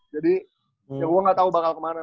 jadi ya gua gak tau bakal kemana